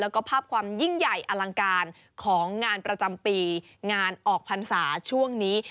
แล้วก็ภาพความยิ่งใหญ่อลังการของงานประจำปีงานออกพรรษาช่วงนี้